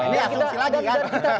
ini asumsi lagi kan